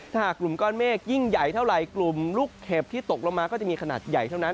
ถ้าหากกลุ่มก้อนเมฆยิ่งใหญ่เท่าไหร่กลุ่มลูกเห็บที่ตกลงมาก็จะมีขนาดใหญ่เท่านั้น